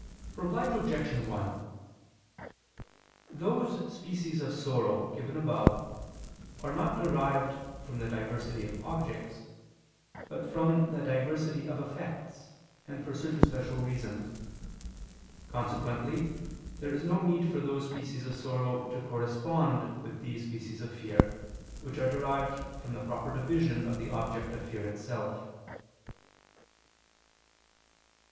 _ Reply Obj. 1: Those species of sorrow given above are not derived from the diversity of objects, but from the diversity of effects, and for certain special reasons. Consequently there is no need for those species of sorrow to correspond with these species of fear, which are derived from the proper division of the object of fear itself.